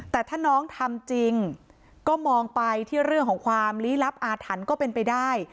แต่ถ้าน้องทำจริงก็มองไปที่เรื่องของความลี้ลับอาถรรพ์ก็เป็นไปได้